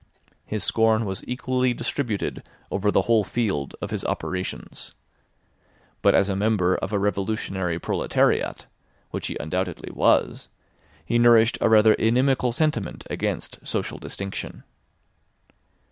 His scorn was equally distributed over the whole field of his operations. But as a member of a revolutionary proletariat—which he undoubtedly was—he nourished a rather inimical sentiment against social distinction.